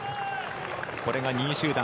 これが２位集団。